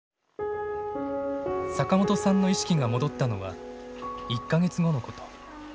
坂本さんの意識が戻ったのは１か月後のこと。